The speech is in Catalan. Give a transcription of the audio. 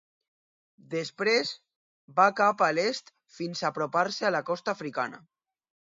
Després, va cap a l'est fins a apropar-se a la costa africana.